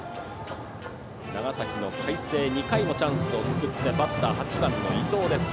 長崎の海星が２回もチャンスを作ってバッター、８番の伊藤です。